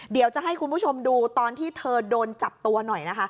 เดี๋ยวจะให้คุณผู้ชมดูตอนที่เธอโดนจับตัวหน่อยนะคะ